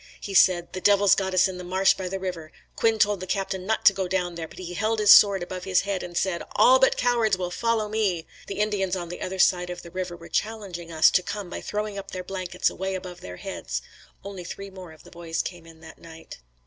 He said, "The devils got us in the marsh by the river. Quinn told the Captain not to go down there, but he held his sword above his head and said, 'All but cowards will follow me.'" The Indians on the other side of the river were challenging us to come by throwing up their blankets way above their heads. Only three more of the boys came in that night.